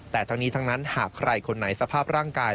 แต่ทั้งนี้ทั้งนั้นหากใครคนไหนสภาพร่างกาย